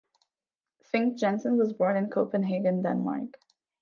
Fink-Jensen was born in Copenhagen, Denmark.